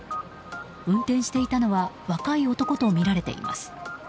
運転していたのは若い男とみられています。